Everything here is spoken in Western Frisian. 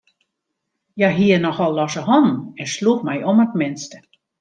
Hja hie nochal losse hannen en sloech my om it minste.